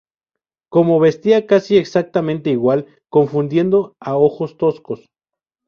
Como vestía casi exactamente igual, confundiendo a ojos toscos.